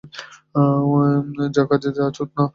যা কাজে যা, চোদনা।